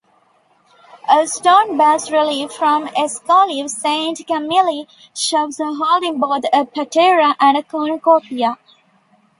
A stone bas-relief from Escolives-Sainte-Camille shows her holding both a patera and a cornucopia.